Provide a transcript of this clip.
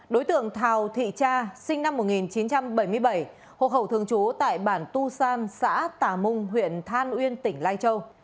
đối tượng thào thị cha sinh năm một nghìn chín trăm bảy mươi bảy hộ khẩu thường trú tại bản tu san xã tà mung huyện than uyên tỉnh lai châu